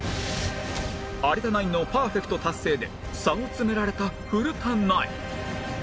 有田ナインのパーフェクト達成で差を詰められた古田ナイン